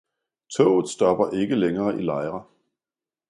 Toget stopper ikke længere i Lejre